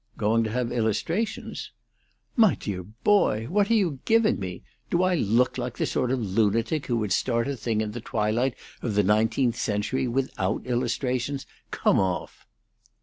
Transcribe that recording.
"Going to have illustrations?" "My dear boy! What are you giving me? Do I look like the sort of lunatic who would start a thing in the twilight of the nineteenth century without illustrations? Come off!"